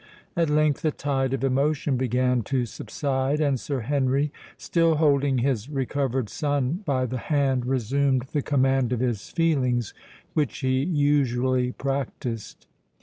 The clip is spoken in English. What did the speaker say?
At length the tide of emotion began to subside; and Sir Henry, still holding his recovered son by the hand, resumed the command of his feelings which he usually practised.